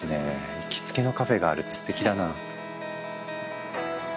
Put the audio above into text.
行きつけのカフェがあるってステキだな。